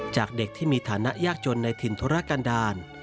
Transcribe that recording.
จากเด็กที่มีฐานะยากจนในถิ่นธุรกันดาล